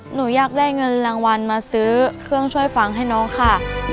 หนูอยากได้เงินรางวัลมาซื้อเครื่องช่วยฟังให้น้องค่ะ